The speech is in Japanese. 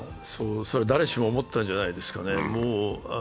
そう誰しも思ったんじゃないですかね。